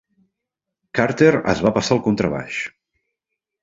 Carter es va passar al contrabaix.